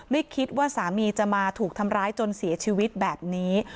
มาถูกทำร้ายจนเสียชีวิตแบบนี้